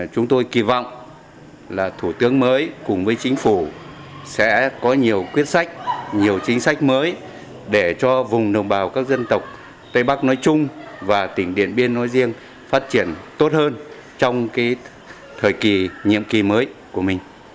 chúng tôi kỳ vọng là thủ tướng mới cùng với chính phủ sẽ có nhiều quyết sách nhiều chính sách mới để cho vùng đồng bào các dân tộc tây bắc nói chung và tỉnh điện biên nói riêng phát triển tốt hơn trong thời kỳ nhiệm kỳ mới của mình